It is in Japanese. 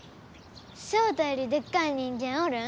ショウタよりでっかい人間おるん？